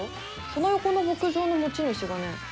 その横の牧場の持ち主がね